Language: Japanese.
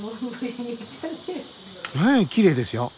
ええきれいですよ。